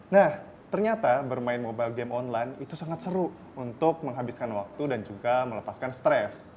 nah ternyata bermain mobile game online itu sangat seru untuk menghabiskan waktu dan juga melepaskan stres